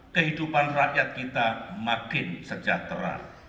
kehidupan rakyat kita makin sejahtera